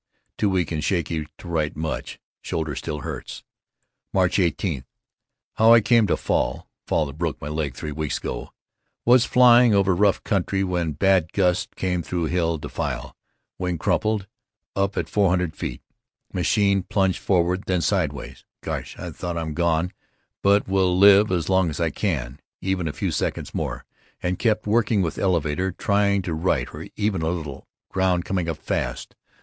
Too week and shaky write much, shoulder still hurts. March 18: How I came to fall (fall that broke my leg, three weeks ago) Was flying over rough country when bad gust came thru hill defile. Wing crumpled. Up at 400 ft. Machine plunged forward then sideways. Gosh, I thought, I'm gone, but will live as long as I can, even a few seconds more, and kept working with elevator, trying to right her even a little. Ground coming up fast.